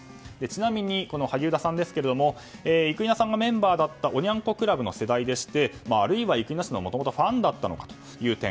ちなみに萩生田さんですが生稲さんがメンバーだったおニャン子クラブの世代でしてあるいは、もともと生稲氏のファンだったのかという点。